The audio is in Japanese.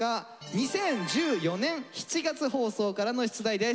２０１４年７月放送からの出題です。